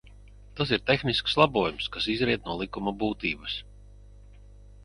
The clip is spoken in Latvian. Tas ir tehnisks labojums, kas izriet no likuma būtības.